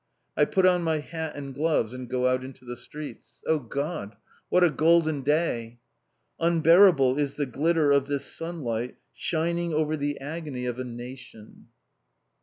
I put on my hat and gloves, and go out into the streets. Oh, God! What a golden day! Unbearable is the glitter of this sunlight shining over the agony of a nation!